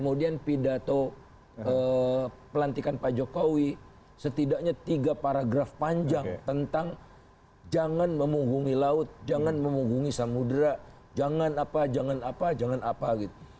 kemudian pidato pelantikan pak jokowi setidaknya tiga paragraf panjang tentang jangan memunggungi laut jangan memunggungi samudera jangan apa jangan apa jangan apa gitu